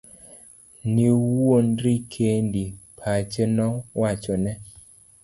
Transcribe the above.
Niwuondri kendi, pache nowachone.